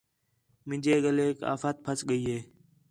مینجے ڳلیک آفت پھس ڳئی ہِے